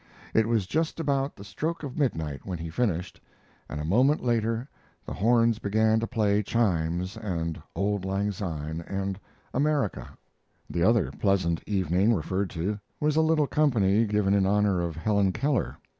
It was just about the stroke of midnight when he finished, and a moment later the horns began to play chimes and "Auld Lang Syne" and "America." The other pleasant evening referred to was a little company given in honor of Helen Keller.